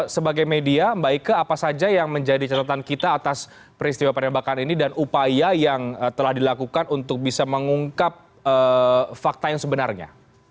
sebagai media mbak ike apa saja yang menjadi catatan kita atas peristiwa penembakan ini dan upaya yang telah dilakukan untuk bisa mengungkap fakta yang sebenarnya